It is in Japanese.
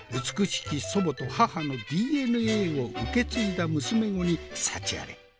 美しき祖母と母のＤＮＡを受け継いだ娘御に幸あれ。